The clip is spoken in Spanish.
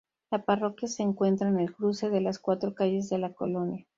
La parroquia se encuentra en el cruce de las cuatro calles de la colonia.